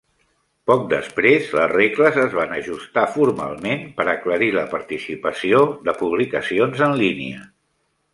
Poc després, les regles es van ajustar formalment per aclarir la participació de publicacions en línia.